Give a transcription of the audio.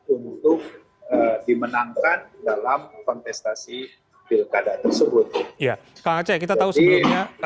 untuk dimenangkan dalam kontestasi pilkada tersebut